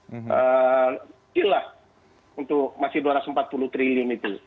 buku tiga itu masih kecil lah untuk masih dua ratus empat puluh triliun itu